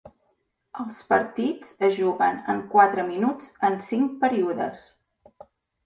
Els partits es juguen en quatre minuts en cinc períodes.